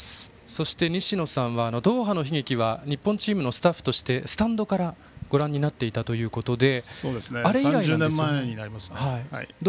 そして西野さんはあのドーハの悲劇は日本チームのスタッフとしてスタンドからご覧になっていたということで。